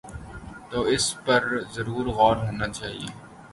تو اس پر ضرور غور ہو نا چاہیے۔